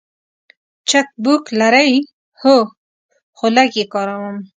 چک بوک لرئ؟ هو، خو لږ یی کاروم